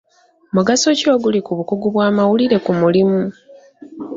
Mugaso ki oguli mu bukugu bw'amawulire ku mulimu?